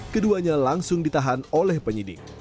keduanya langsung ditahan oleh penyidik